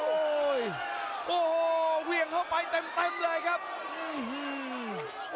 โอ้โหโอ้โหเวี่ยงเข้าไปเต็มเลยครับ